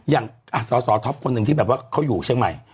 อย่างสศท๊อปคนหนึ่งที่เขาอยู่เชียงใหม่